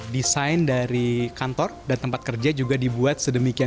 desain dari kantor dan tempat kerja juga dibuat sedemikian